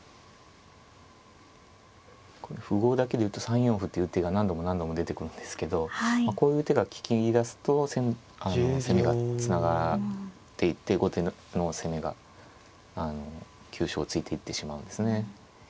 これ符号だけで言うと３四歩っていう手が何度も何度も出てくるんですけどこういう手が利きだすと先手の攻めがつながっていって攻めが急所を突いていってしまうんですね。